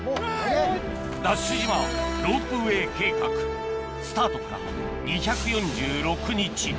ＤＡＳＨ島ロープウエー計画スタートから２４６日